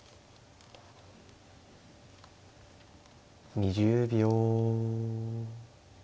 ２０秒。